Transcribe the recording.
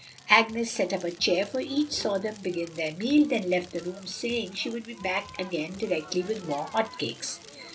Agnes set up a chair for each, saw them begin their meal, then left the room, saying she would be back again directly with more hot cakes.